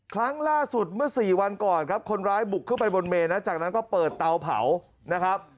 ครั้งล่าสุดเมื่อสี่วันก่อนครับคนร้ายบุกขึ้นไปบนเมนนะจากนั้นก็เปิดเตาเผานะครับ